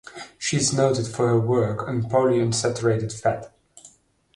She is noted for her work on Polyunsaturated fat.